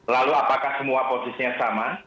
lalu apakah semua posisinya sama